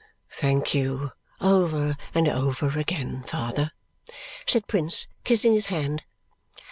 "Thank you over and over again, father!" said Prince, kissing his hand.